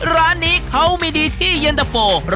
ร้านนี้เขามีดีที่เย็นตะโฟลูกชิ้นปลา